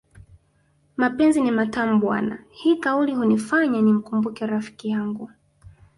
Mapenzi ni matamu bwana hii kauli hunifanya nimkumbuke rafikiyangu